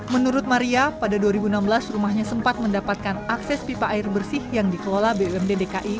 menurut maria pada dua ribu enam belas rumahnya sempat mendapatkan akses pipa air bersih yang dikelola bumd dki